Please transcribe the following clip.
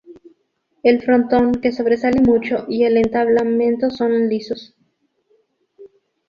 El frontón, que sobresale mucho, y el entablamento son lisos.